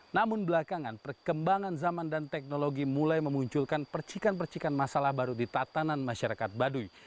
namun belakangan perkembangan zaman dan teknologi mulai memunculkan percikan percikan masalah baru di tatanan masyarakat baduy